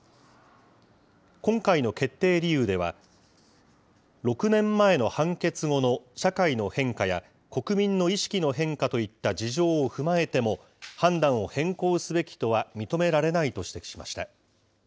今回の決定理由では、６年前の判決後の社会の変化や、国民の意識の変化といった事情を踏まえても、判断を変更すべきとは認められないと指摘しました。